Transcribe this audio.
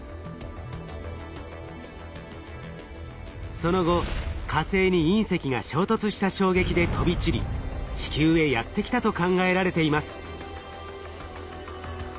その後火星に隕石が衝突した衝撃で飛び散り地球へやって来たと考えられています。